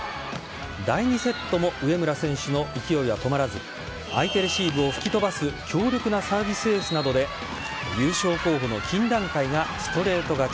第２セットも上村選手の勢いは止まらず相手レシーブを吹き飛ばす強力なサービスエースなどで優勝候補の金蘭会がストレート勝ち。